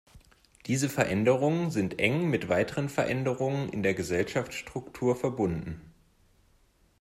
Diese Veränderungen sind eng mit weiteren Veränderungen in der Gesellschaftsstruktur verbunden.